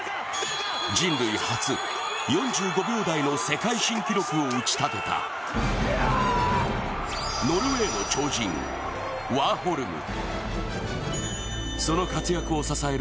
人類初、４５秒台の世界新記録を打ち立てたノルウェーの超人・ワーホルム。